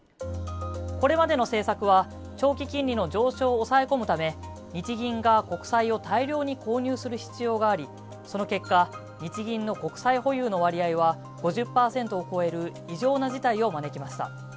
これまでの政策は長期金利の上昇を抑え込むため日銀が国債を大量に購入する必要があり、その結果、日銀の国債保有の割合は５０％を超える異常な事態を招きました。